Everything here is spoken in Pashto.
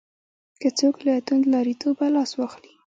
که څوک له توندلاریتوبه لاس واخلي.